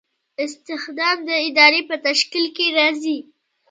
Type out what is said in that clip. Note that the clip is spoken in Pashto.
استخدام د ادارې په تشکیل کې راځي.